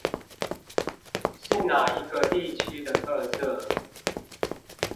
是那一個地區的特色？